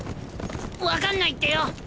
分かんないってよ。